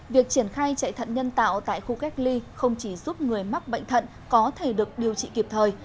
việc triển khai chạy thận nhân tạo tại khu cách ly không chỉ giúp người mắc bệnh thận có thể được điều trị kịp thời